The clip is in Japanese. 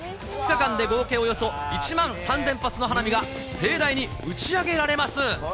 ２日間で合計およそ１万３０００発の花火が盛大に打ち上げられます。